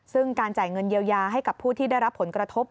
ซึ่งการจ่ายเงินเยียวยาให้กับผู้ที่ได้รับผลกระทบ